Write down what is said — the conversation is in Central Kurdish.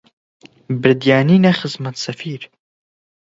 بردیانینە خزمەت سەفیر